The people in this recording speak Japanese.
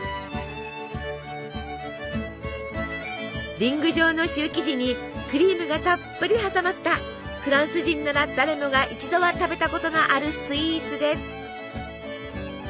リング状のシュー生地にクリームがたっぷり挟まったフランス人なら誰もが一度は食べたことのあるスイーツです。